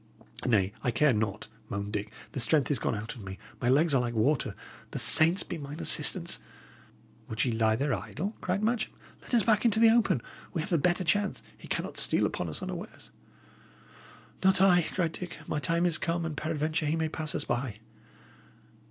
"Nay, I care not," moaned Dick; "the strength is gone out of me; my legs are like water. The saints be mine assistance!" "Would ye lie there idle?" cried Matcham. "Let us back into the open. We have the better chance; he cannot steal upon us unawares." "Not I," said Dick. "My time is come, and peradventure he may pass us by."